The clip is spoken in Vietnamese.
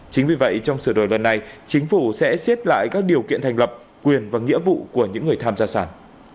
chính vì vậy trong sự đổi luật này chính phủ sẽ xếp lại các điều kiện thành lập quyền và nghĩa vụ của những người tham gia sản